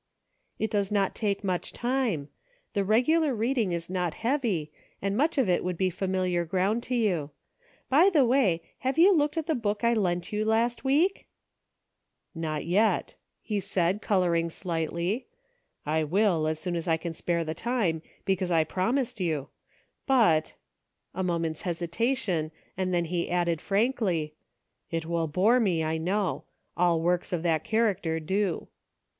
" It does not take much time ; the regular read ing is not heavy, and much of it would be familiar ground to you. By the way, have you looked at the book I lent you last week ?"" Not yet," he said, coloring slightly. " I will, as soon as I can spare the time, because I promised you ; but," — a moment's hesitation, and then he added frankly, —" it will bore me, I know ; all works of that character do."